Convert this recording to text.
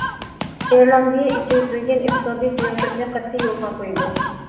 ئىرېلاندىيە ئېچىۋېتىلگەن ئىقتىسادىي سىياسەتنى قەتئىي يولغا قويىدۇ.